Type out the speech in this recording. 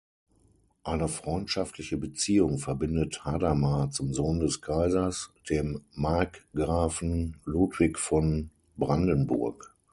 Eine freundschaftliche Beziehung verbindet Hadamar zum Sohn des Kaisers, dem Markgrafen Ludwig von Brandenburg.